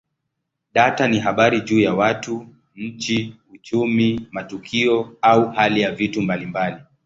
Data ni habari juu ya watu, nchi, uchumi, matukio au hali ya vitu mbalimbali.